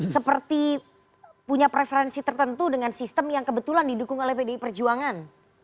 seperti punya preferensi tertentu dengan sistem yang kebetulan didukung oleh pdi perjuangan